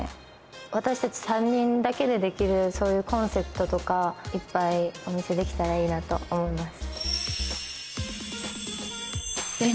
私たち３人だけでできるそういうコンセプトとかいっぱいお見せできたらいいなと思います。